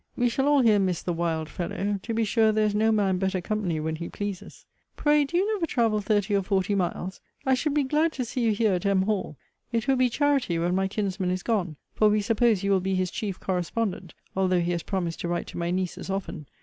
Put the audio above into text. We shall all here miss the wild fellow. To be sure, there is no man better company when he pleases. Pray, do you never travel thirty or forty miles? I should be glad to see you here at M. Hall. It will be charity when my kinsman is gone; for we suppose you will be his chief correspondent; although he has promised to write to my nieces often.